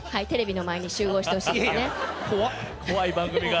怖い番組が。